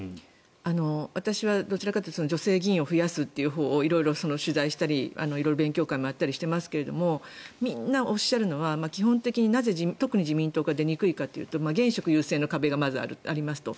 私はどちらかというと女性議員を増やすほうを色々取材したり勉強会をしたりしてますけどみんなおっしゃるのは基本的になぜ特に自民党が出にくいかというと現職優勢の壁がまずありますと。